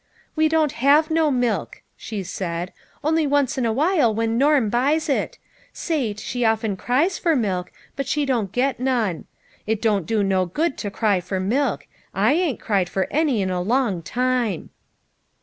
"We don't have no milk," she said, "only once in awhile when Norm buys it ; Sate, she often cries for milk, but she don't get none. It don't do no good to cry for milk ; I ain't cried for any in a long time."